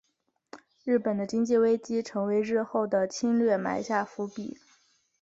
日本的经济危机成为日后的侵略埋下伏笔。